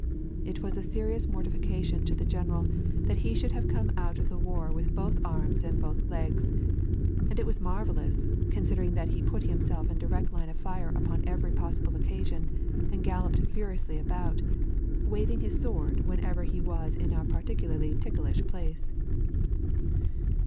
It was a serious mortification to the general that he should have come out of the war with both arms and both legs; and it was marvelous, considering that he put himself in direct line of fire upon every possible occasion, and galloped furiously about, waving his sword whenever he was in a particularly ticklish place.